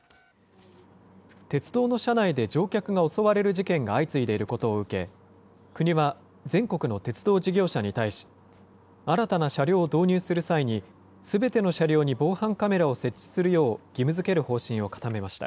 鉄道の車内で乗客が襲われる事件が相次いでいることを受けて、国は全国の鉄道事業者に対し、新たな車両を導入する際に、すべての車両に防犯カメラを設置するよう義務づける方針を固めました。